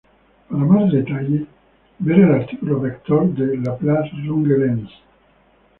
Para más detalles, ver el artículo vector de Laplace-Runge-Lenz.